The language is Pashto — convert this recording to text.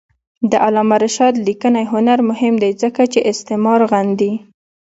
د علامه رشاد لیکنی هنر مهم دی ځکه چې استعمار غندي.